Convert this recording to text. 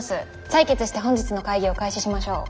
採決して本日の会議を開始しましょう。